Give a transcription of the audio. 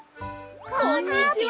こんにちは！